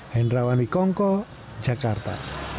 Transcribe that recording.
hendra wami kongko jakarta